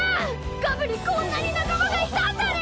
ガブにこんなになかまがいたんだね！